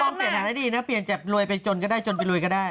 เปลี่ยนฐานให้ดีนะเปลี่ยนจากรวยไปจนก็ได้จนไปรวยก็ได้